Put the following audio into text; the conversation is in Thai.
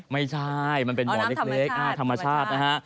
ไม่ใช่มันเป็นหมอเล็กธรรมชาตินะฮะ